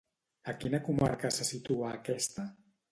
A quina comarca se situa aquesta?